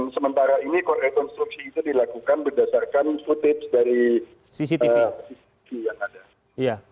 sementara ini rekonstruksi itu dilakukan berdasarkan food tips dari cctv yang ada